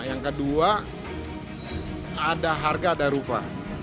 yang kedua ada harga ada rupa